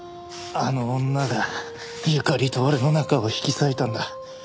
あの女が友加里と俺の仲を引き裂いたんだ。